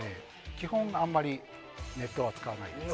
基本、あまりネットは使わないです。